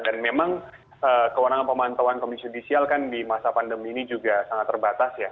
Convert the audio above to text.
dan memang kewenangan pemantauan komisi judisial kan di masa pandemi ini juga sangat terbatas ya